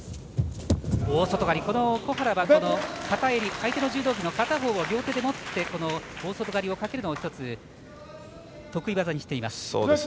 小原は相手の柔道着の片方を両手で持って大外刈りをかけるのを１つ得意技にしています。